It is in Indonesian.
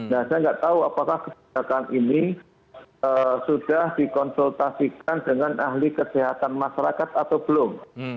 nah saya nggak tahu apakah kebijakan ini sudah dikonsultasikan dengan ahli kesehatan masyarakat atau belum